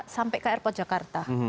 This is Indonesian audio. sampai ke airport jakarta